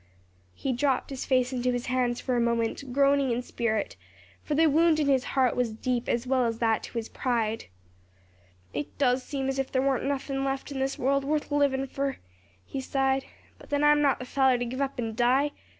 He dropped his face into his hands for a moment, groaning in spirit for the wound in his heart was deep as well as that to his pride. "It does seem as if there warn't nothin' left in this world worth livin' fur!" he sighed. "But then I'm not the feller to give up and die!